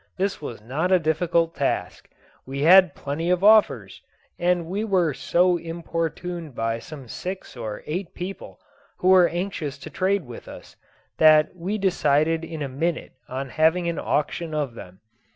This was not a difficult task. We had plenty of offers; and we were so importuned by some six or eight people, who were anxious to trade with us, that we decided in a minute on having an auction of them.